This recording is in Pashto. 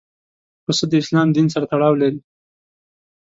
پسه د اسلام دین سره تړاو لري.